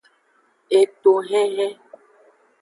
Etohenhen.